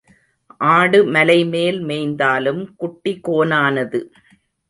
ஆடு மலைமேல் மேய்ந்தாலும் குட்டி கோனானது.